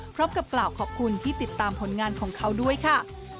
พร้อมกับกล่าวขอบคุณที่ติดตามผลงานของเขาด้วยค่ะ